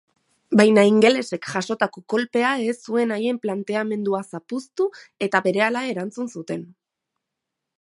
Baina ingelesek jasotako kolpea ez zuen haien planteamendua zapuztu eta berehala erantzun zuten.